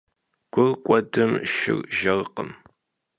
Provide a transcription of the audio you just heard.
Gur k'uedım şşır jjerkhım.